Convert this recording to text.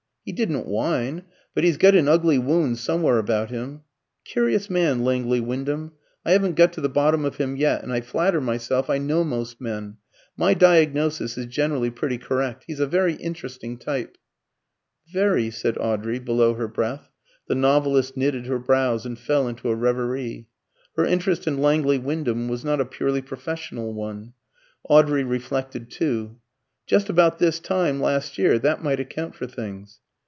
"He didn't whine. But he's got an ugly wound somewhere about him. Curious man, Langley Wyndham. I haven't got to the bottom of him yet; and I flatter myself I know most men. My diagnosis is generally pretty correct. He's a very interesting type." "Very," said Audrey below her breath. The novelist knitted her brows and fell into a reverie. Her interest in Langley Wyndham was not a purely professional one. Audrey reflected too. "Just about this time last year. That might account for things."